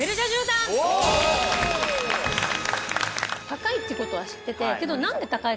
高いってことは知ってて。